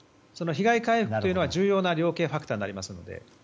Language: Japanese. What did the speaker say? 被害回復というのは重要な量刑ファクターになります。